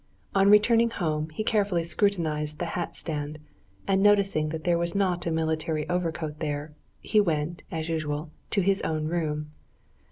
On returning home, he carefully scrutinized the hat stand, and noticing that there was not a military overcoat there, he went, as usual, to his own room.